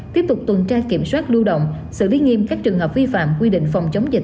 tiếp tục tuần tra kiểm soát lưu động xử lý nghiêm các trường hợp vi phạm quy định phòng chống dịch